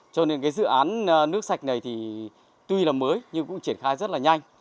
cho nên dự án nước sạch này tuy là mới nhưng cũng triển khai rất là nhanh